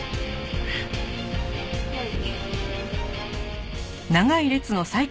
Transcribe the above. はい。